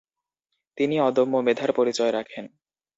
তিনি অদম্য মেধার পরিচয় রাখেন।